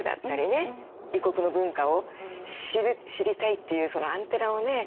異国の文化を知る知りたいっていうそのアンテナをね